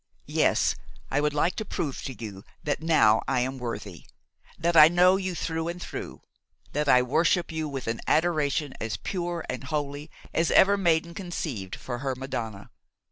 Yes! I would like to prove to you that now I am worthy, that I know you through and through, that I worship you with an adoration as pure and holy as ever maiden conceived for her Madonna!